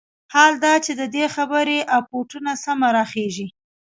حال دا چې د دې خبرې اپوټه سمه راخېژي.